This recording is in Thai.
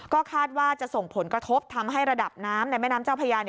ก็คาดว่าจะส่งผลกระทบทำให้ระดับน้ำในแม่น้ำเจ้าพญา